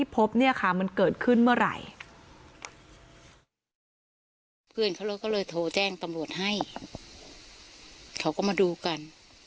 เพื่อนเขารถก็เลยโทรแจ้งตำรวจให้เขาก็มาดูกัน